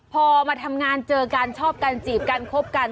พอมาทำงานเจอกันชอบกันจีบกันคบกัน